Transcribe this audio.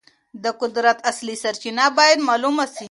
د قدرت اصلي سرچینه باید معلومه سي.